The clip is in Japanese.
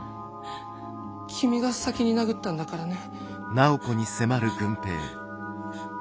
君が先に殴ったんだからね。